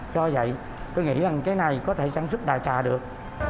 do vậy tôi nghĩ rằng cái này có thể sản xuất đại trà được